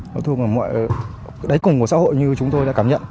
nó thuộc vào mọi đáy cùng của xã hội như chúng tôi đã cảm nhận